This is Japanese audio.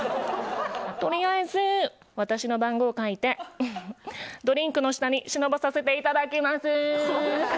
とりあえず、私の番号書いてドリンクの下に忍ばさせていただきます。